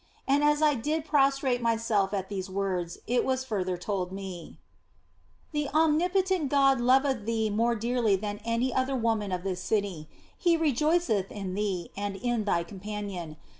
And as I did prostrate myself at these words, it was further told me :" The Omnipotent God loveth thee more dearly than any other woman of this city. He rejoiceth in thee and in thy companion.